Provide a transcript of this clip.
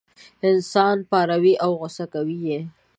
انسان پاروي او غوسه کوي یې.